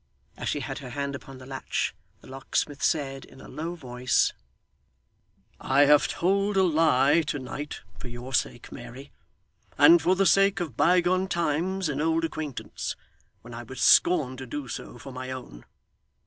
As she had her hand upon the latch, the locksmith said in a low voice, 'I have told a lie to night, for your sake, Mary, and for the sake of bygone times and old acquaintance, when I would scorn to do so for my own.